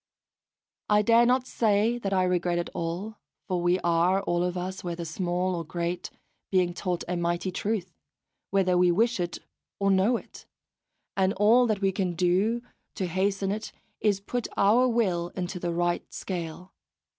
I dare not say that I regret it all, for we are all of us, whether small or great, being taught a mighty truth, whether we wish it or know it; and all that we can do to hasten it is to put our will into the right scale.